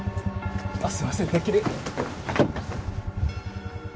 すいませんてっきり。